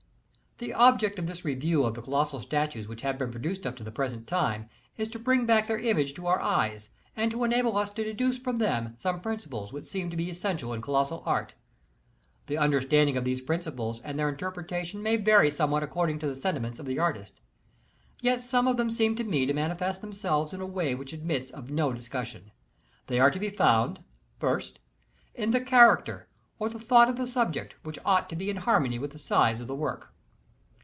' The object of this review of the colossal statues which have been produced up to the present time, is to bring back their image to our eyes, and to enable us to deduce from them some principles which seem to be essential in colossal art. The understanding of these principles and their interpretation may vary somewhat according to the sentiments of the artist. Yet some of them seem to me to manifest themselves in a way which admits of no dis cussion. They are to be found: 1st — In the character or the thought of the subject, which ought to be in harmony with the size of the work.